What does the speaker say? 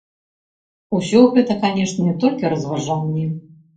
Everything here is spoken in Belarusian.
Усё гэта, канешне, толькі разважанні.